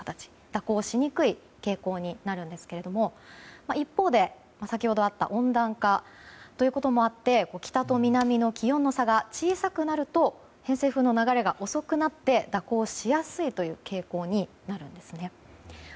蛇行しにくい傾向になるんですが一方で先ほどあった温暖化ということもあって北と南の気温の差が小さくなると偏西風の流れが遅くなって蛇行しやすいという傾向になるんですね。